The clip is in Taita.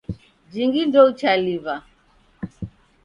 Jingi ndouchaliw'a.